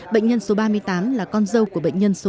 bệnh nhân số ba mươi tám là con dâu của bệnh nhân số ba mươi bốn